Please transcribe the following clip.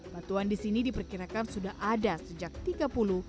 batuan di sini diperkirakan sudah ada sejak tahun dua ribu